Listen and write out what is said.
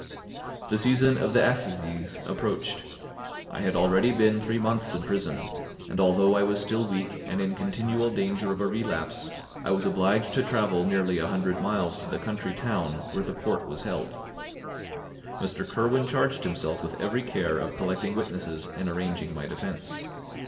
The season of the assizes approached. I had already been three months in prison, and although I was still weak and in continual danger of a relapse, I was obliged to travel nearly a hundred miles to the country town where the court was held. Mr. Kirwin charged himself with every care of collecting witnesses and arranging my defence.